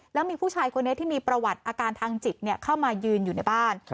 แล้วมีผู้ชายคนนี้ที่มีประวัติอาการทางจิตเข้ามายืนอยู่ในบ้าน